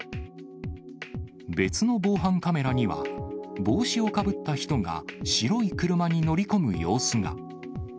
別の防犯カメラには、帽子をかぶった人が白い車に乗り込む様子が。